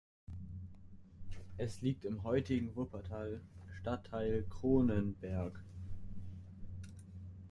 Es liegt im heutigen Wuppertaler Stadtteil Cronenberg.